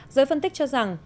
giới phân tích cho rằng